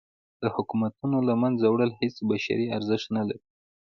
د حکومتونو له منځه وړل هیڅ بشري ارزښت نه لري.